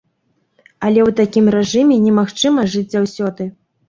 Але ў такім рэжыме немагчыма жыць заўсёды.